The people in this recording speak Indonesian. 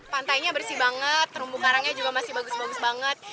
pantainya bersih banget terumbu karangnya juga masih bagus bagus banget